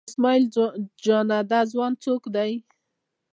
اسمعیل جانه دا ځوان څوک دی؟